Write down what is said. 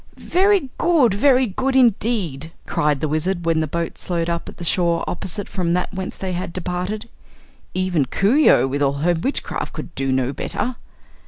"Very good very good indeed!" cried the Wizard, when the boat slowed up at the shore opposite from that whence they had departed. "Even Coo ee oh, with all her witchcraft, could do no better."